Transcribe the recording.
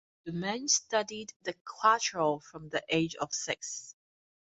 Domenech studied the cuatro from the age of six.